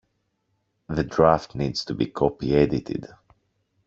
The draft needs to be copy edited